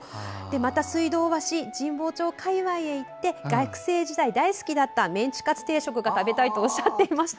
また、水道橋神保町界わいへ行って学生時代、大好きだったメンチカツ定食が食べたいとおっしゃっていました。